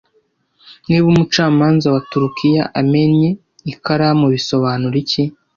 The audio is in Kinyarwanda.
Niba umucamanza wa Turukiya amennye ikaramu bisobanura iki